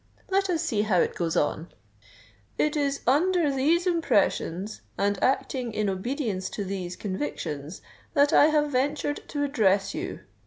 Let us see how it goes on. '_It is under these impressions, and acting in obedience to these convictions, that I have ventured to address you.